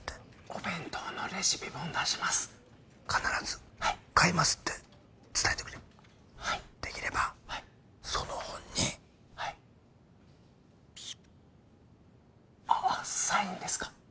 お弁当のレシピ本出します「必ず買います」って伝えてくれはいできればその本にはいあっサインですか？